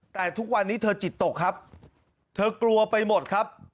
แต่ทุกวันนี้เธอจิตตกครับเธอกลัวไปหมดครับ